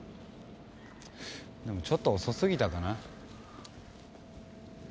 でもちょっと遅すぎたかな。